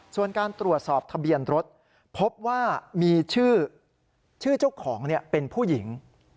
ส่วนการตรวจสอบทะเบียนรถพบว่ามีชื่อเจ้าของเป็นผู้หญิง